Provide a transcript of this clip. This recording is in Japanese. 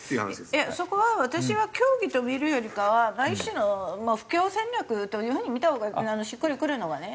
そこは私は教義と見るよりかは一種の布教戦略という風に見たほうがしっくりくるのはね。